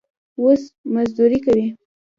اوس مزدوري کوي.